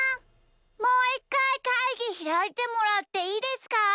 もういっかいかいぎひらいてもらっていいですか？